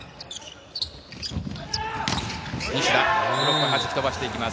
西田、よくはじき飛ばしていきます。